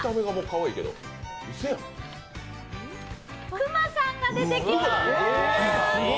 クマさんが出てきます。